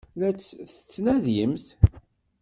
La tt-tettnadimt?